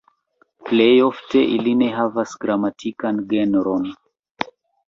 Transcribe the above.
Plej ofte ili ne havas gramatikan genron.